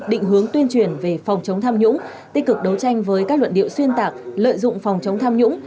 định hướng tuyên truyền về phòng chống tham nhũng tích cực đấu tranh với các luận điệu xuyên tạc lợi dụng phòng chống tham nhũng